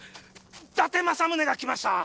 伊達政宗が来ました。